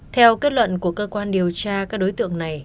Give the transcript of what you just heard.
theo kết luận của cơ quan điều tra các đối tượng này